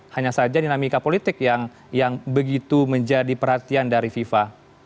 hanya saja dinamika politik yang begitu menjadi perhatian dari fifa